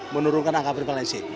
menurunkan angka prevalensi